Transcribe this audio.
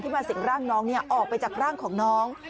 มาสิ่งร่างน้องออกไปจากร่างของน้อง